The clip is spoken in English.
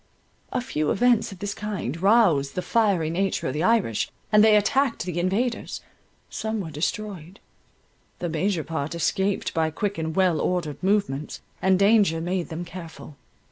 A few events of this kind roused the fiery nature of the Irish; and they attacked the invaders. Some were destroyed; the major part escaped by quick and well ordered movements; and danger made them careful.